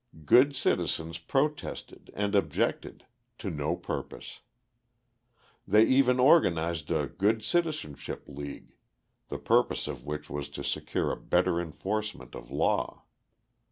Good citizens protested and objected to no purpose. They even organised a Good Citizenship League, the purpose of which was to secure a better enforcement of law.